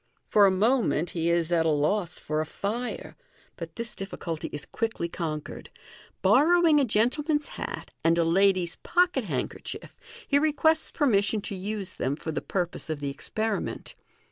For a moment he is at a loss for a fire, but this difficulty is quickly conquered. Borrowing a gentle man's hat, and a lady's pocket handkerchief, he requests permission to use them for the purpose of the experiment.